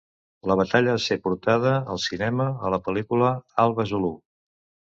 La batalla va ser portada al cinema, a la pel·lícula Alba zulu.